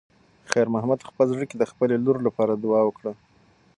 خیر محمد په خپل زړه کې د خپلې لور لپاره دعا وکړه.